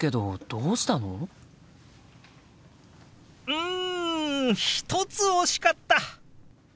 うん１つ惜しかった！